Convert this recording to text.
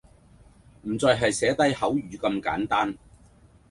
唔再係寫低口語咁簡單